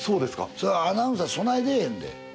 そらアナウンサーそない出ぇへんで。